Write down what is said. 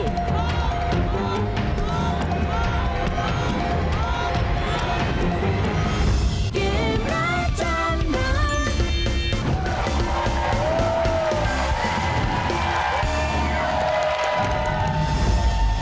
โอ้โฮโอ้โฮโอ้โฮโอ้โฮโอ้โฮ